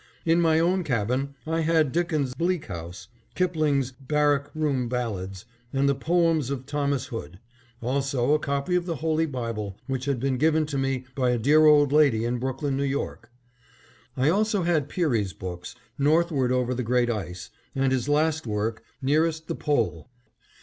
In my own cabin I had Dickens' "Bleak House," Kipling's "Barrack Room Ballads," and the poems of Thomas Hood; also a copy of the Holy Bible, which had been given to me by a dear old lady in Brooklyn, N. Y. I also had Peary's books, "Northward Over the Great Ice," and his last work "Nearest the Pole."